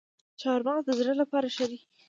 چهارمغز د زړه لپاره ښه دي